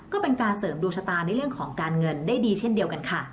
ก็เป็นการเสริมดวงชะตาในเรื่องของการเงินได้ดีเช่นเดียวกันค่ะ